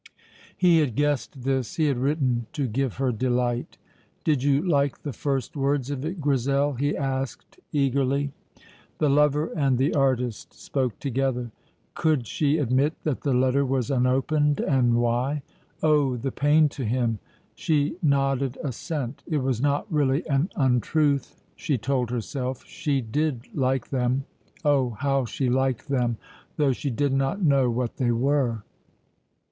He had guessed this. He had written to give her delight. "Did you like the first words of it, Grizel?" he asked eagerly. The lover and the artist spoke together. Could she admit that the letter was unopened, and why? Oh, the pain to him! She nodded assent. It was not really an untruth, she told herself. She did like them oh, how she liked them, though she did not know what they were!